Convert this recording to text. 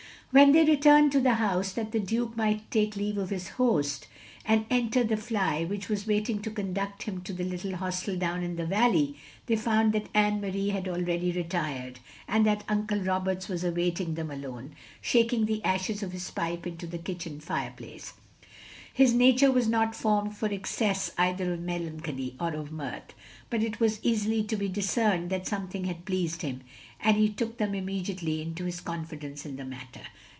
When they returned to the house, that the Duke might take leave of his host, and enter the fly which was waiting to conduct him to the little hostel down in the valley, they fotind that Anne Marie had already retired, and that Uncle Roberts was awaiting them alone, shaking the ashes of his pipe into the kitchen fireplace. His nature was not formed for excess either of melancholy, or of mirth; but it was easily to be discerned that something had pleased him, and he took them immediately into his con fidence in the matter.